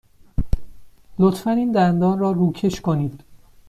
لطفاً این دندان را روکش کنید.